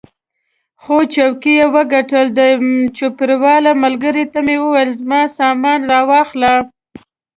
خو څوکۍ یې وګټل، د چوپړوال ملګري ته مې وویل زما سامان را واخله.